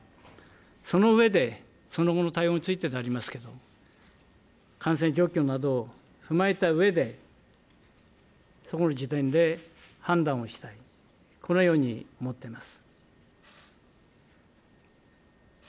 その上で、その後の対応についてでありますけれども、感染状況などを踏まえたうえで、そこの時点で判断をしたい、このように思っています。